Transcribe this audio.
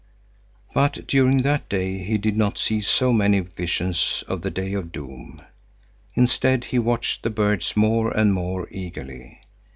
But during that day he did not see so many visions of the Day of Doom. Instead, he watched the birds more and more eagerly.